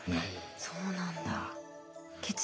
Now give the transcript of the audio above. そうなんだ。